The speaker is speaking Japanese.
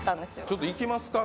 ちょっといきますか？